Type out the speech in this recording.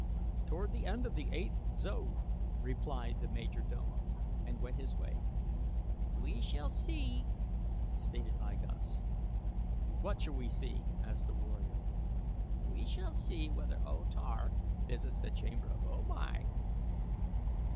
"Toward the end of the eighth zode*," replied the major domo, and went his way. * About 1:00 A. M. Earth Time. "We shall see," stated I Gos. "What shall we see?" asked a warrior. "We shall see whether O Tar visits the chamber of O Mai."